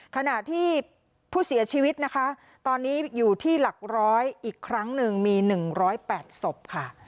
ขณะที่ผู้เสียชีวิตนะคะตอนนี้อยู่ที่หลักร้อยอีกครั้งหนึ่งมี๑๐๘ศพค่ะ